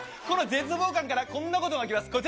この絶望感からこんなことが起きます